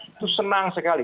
itu senang sekali